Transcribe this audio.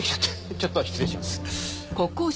ちょっと失礼します。